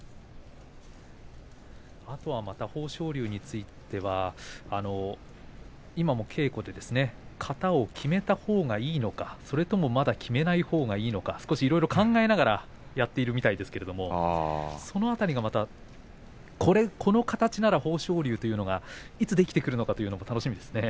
豊昇龍については今も稽古で型を決めたほうがいいのかそれともまだ決めないほうがいいのかいろいろ考えながらやっているみたいですけれどこの形なら豊昇龍というのがいつできてくるのか楽しみですね。